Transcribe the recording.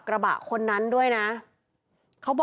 ขอบคุณครับ